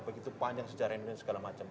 begitu panjang sejarah indonesia segala macam